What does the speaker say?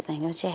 dành cho trẻ